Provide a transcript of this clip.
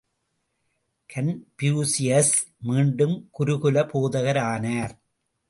Confucius மீண்டும் குருகுல போதகர் ஆனார்!